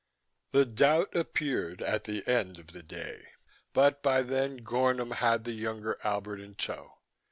The doubt appeared at the end of the day, but by then Gornom had the younger Albert in tow.